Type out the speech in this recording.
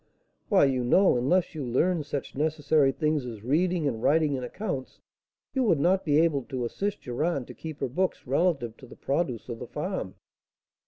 "Why, you know, unless you learned such necessary things as reading, writing, and accounts, you would not be able to assist your aunt to keep her books relative to the produce of the farm."